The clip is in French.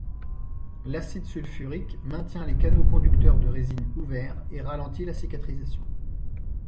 L'acide sulfurique maintient les canaux conducteurs de résine ouverts et ralentit la cicatrisation.